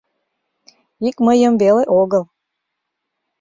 Ик мыйым веле огыл...